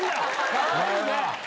かわいいね。